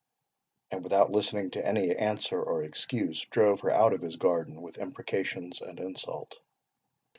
and without listening to any answer or excuse, drove her out of his garden with imprecations and insult.